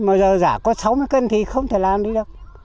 mà giờ giả có sáu mươi cân thì không thể làm đi đâu